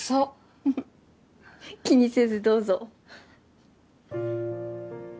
フフッ気にせずどうぞ。